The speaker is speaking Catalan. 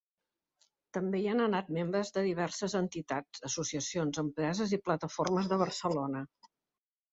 També hi han anat membres de diverses entitats, associacions, empreses i plataformes de Barcelona.